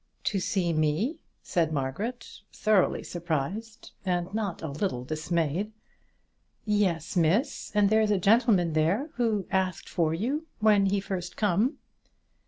"To see me?" said Margaret, thoroughly surprised, and not a little dismayed. "Yes, Miss; and there's a gentleman there who asked for you when he first come."